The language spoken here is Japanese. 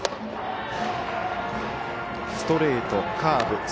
ストレート、カーブ